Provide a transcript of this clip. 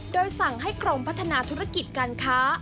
โดยสั่งให้กรมพัฒนาธุรกิจการค้า